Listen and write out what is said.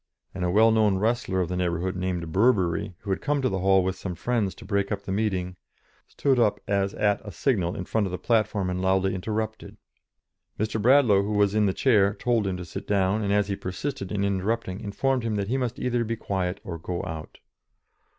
and a well known wrestler of the neighbourhood, named Burbery, who had come to the hall with some friends to break up the meeting, stood up as at a signal in front of the platform and loudly interrupted. Mr. Bradlaugh, who was in the chair, told him to sit down, and, as he persisted in interrupting, informed him that he must either be quiet or go out.